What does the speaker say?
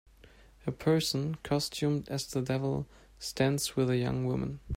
A person, costumed as the devil, stands with a young woman.